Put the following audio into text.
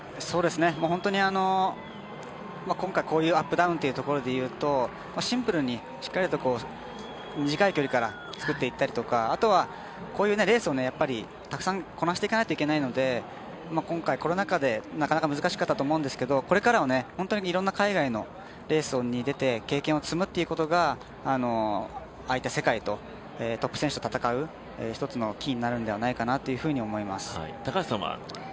本当に今回、こういうアップダウンというところでいうとシンプルにしっかりと短い距離から作っていったりとかあとは、こういうレースをたくさんこなしていかないといけないので今回、コロナ禍で、なかなか難しかったと思うんですけどこれから、本当にいろいろな海外のレースに出ることがああやって世界のトップ選手と戦う一つのキーになるんじゃないかと思います。